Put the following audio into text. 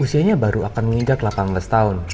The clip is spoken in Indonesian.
usianya baru akan menginjak delapan belas tahun